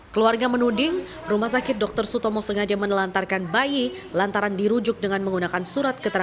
keluarga menuding rumah sakit dr sutomo sengaja menelantarkan bayi lantaran dirujuk dengan menggunakan surat keterangan